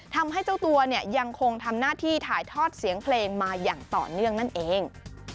ทำให้เจ้าตัวเนี่ยยังคงทำหน้าที่ถ่ายทอดเสียงเพลงมาอย่างต่อเนื่องนั่นเอง